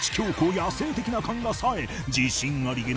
野性的な勘が冴え自信ありげな